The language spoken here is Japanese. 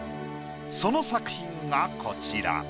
その作品がこちら。